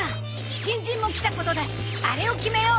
新人も来たことだしあれを決めよう。